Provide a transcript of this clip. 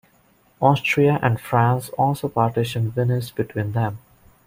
Austria and France also partitioned Venice between them.